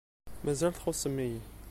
Mazal txuṣṣem-iyi.